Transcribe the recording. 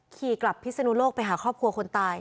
ขี่กลับพิศนุโลกไปหาครอบครัวคนตาย